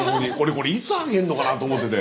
これいつ開けるのかなと思ってて。